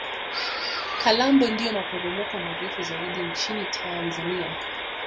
Kalambo ndio maporomoko marefu zaidi nchini tanzania